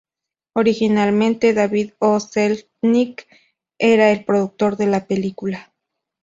Originalmente, David O. Selznick era el productor de la película.